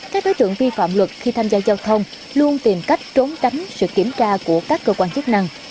các đối tượng vi phạm luật khi tham gia giao thông luôn tìm cách trốn tránh sự kiểm tra của các cơ quan chức năng